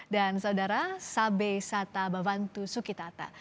dan saudara sabei sata babantu sukitata